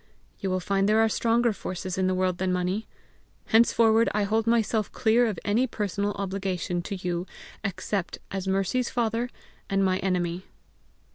You will find there are stronger forces in the world than money. Henceforward I hold myself clear of any personal obligation to you except as Mercy's father and my enemy."